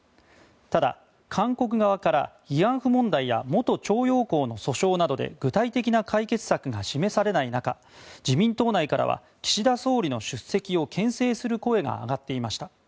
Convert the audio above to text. ただ、韓国側から慰安婦問題や元徴用工の訴訟などで具体的な解決策が示されない中自民党内からは岸田総理の出席を牽制する声が上がっていました。